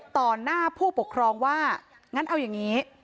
ถ้าพบว่าทุกคน